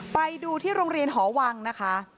ไปดูที่โรงเรียนหอวังนะคะ